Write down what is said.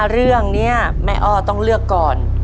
เรื่องนี้แม่อ้อต้องเลือกก่อน